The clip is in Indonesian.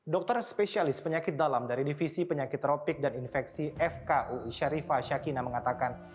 dokter spesialis penyakit dalam dari divisi penyakit tropik dan infeksi fkui sharifah syakina mengatakan